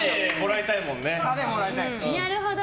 なるほど。